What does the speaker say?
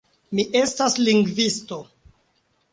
Mi estas lingvisto.